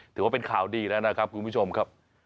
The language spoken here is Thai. ถือว่าเป็นข่าวดีแล้วนะครับคุณผู้ชมครับ